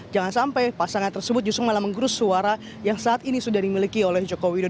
jangan sampai pasangan tersebut justru malah menggerus suara yang saat ini sudah dimiliki oleh jokowi